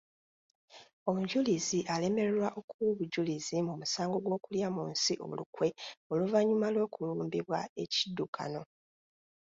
Omujulizi alemererwa okuwa obujulizi mu musango gw'okulya mu nsi olukwe oluvannyuma lw'okulumbibwa ekiddukano.